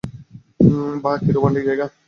বাহ, কি রোমান্টিক জায়গা।